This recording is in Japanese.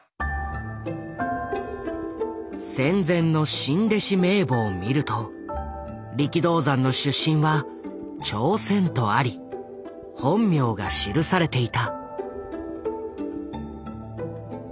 戦前の新弟子名簿を見ると力道山の出身は朝鮮とあり本名が記されていた。